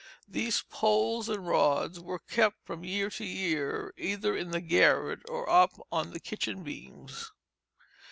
These poles and rods were kept from year to year, either in the garret or up on the kitchen beams.